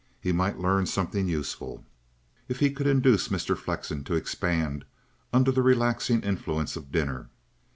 He might learn something useful, if he could induce Mr. Flexen to expand under the relaxing influence of dinner.